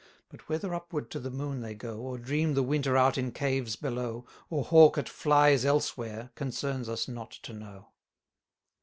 But whether upward to the moon they go, 450 Or dream the winter out in caves below, Or hawk at flies elsewhere, concerns us not to know.